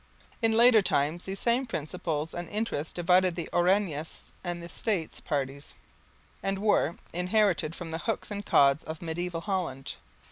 In later times these same principles and interests divided the Orangist and the States parties, and were inherited from the Hooks and Cods of mediaeval Holland.